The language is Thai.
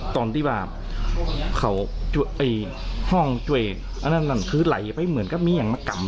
ตอนที่บาปเขาไอ้ห้องเจ๋อันนั้นคือไหลไปเหมือนกับมีอย่างมะกำ